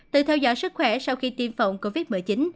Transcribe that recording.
tự theo dõi sức khỏe sau khi tiêm phòng covid một mươi chín